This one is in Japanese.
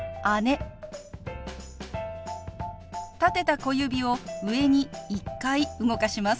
立てた小指を上に１回動かします。